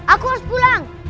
aku harus pulang